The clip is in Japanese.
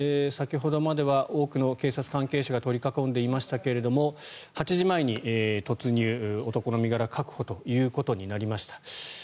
先ほどまでは多くの警察関係者が取り囲んでいましたが８時前に突入男の身柄確保となりました。